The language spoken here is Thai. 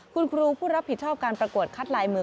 คุณครูผู้รับผิดชอบการประกวดคัดลายมือ